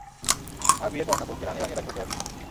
আর বিয়ের পর না, বৌকে রানি বানিয়ে রাখব, স্যার।